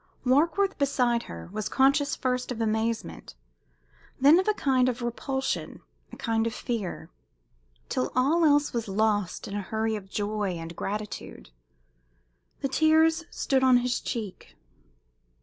Warkworth, beside her, was conscious first of amazement, then of a kind of repulsion a kind of fear till all else was lost in a hurry of joy and gratitude. The tears stood on his cheek.